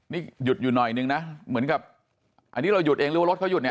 นี่หยุดอยู่หน่อยนึงนะเหมือนกับอันนี้เราหยุดเองหรือว่ารถเขาหยุดเนี่ย